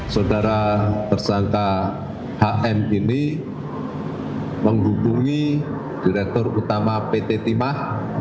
saudara tersangka hm ini menghubungi direktur utama pt timah